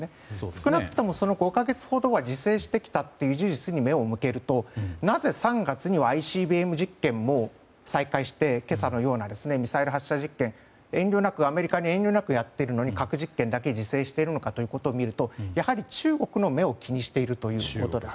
少なくともその５か月ほどは自制してきたという事実に目を向けるとなぜ３月にＩＣＢＭ実験を再開して今朝のようなミサイル発射実験をアメリカに遠慮なくやっているのに核実験だけ自制しているのかを見るとやはり中国の目を気にしていると。